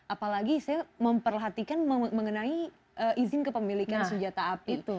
apalagi saya memperhatikan mengenai izin kepemilikan senjata api itu